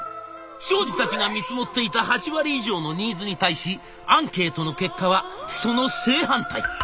長司たちが見積もっていた８割以上のニーズに対しアンケートの結果はその正反対。